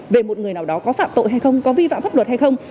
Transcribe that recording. về một người nào đó có phạm tội hay không có vi phạm pháp luật hay không